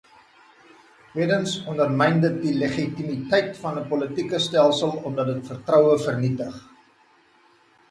Tweedens ondermyn dit die legitimiteit van 'n politieke stelsel omdat dit vertroue vernietig.